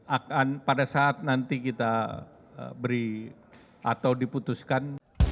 akan pada saat nanti kita beri atau diputuskan